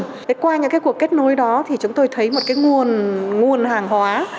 thế qua những cái cuộc kết nối đó thì chúng tôi thấy một cái nguồn hàng hóa